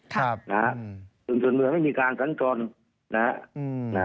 ชุมชนเมืองไม่มีการสัญจรนะฮะ